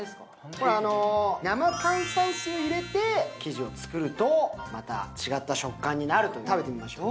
これあの生炭酸水入れて生地を作るとまた違った食感になるという食べてみましょう